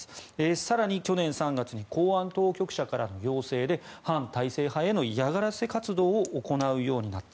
更に去年３月の公安当局者からの要請で反体制派への嫌がらせ活動を行うようになった。